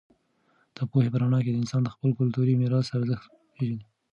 د پوهې په رڼا کې انسان د خپل کلتوري میراث ارزښت پېژني.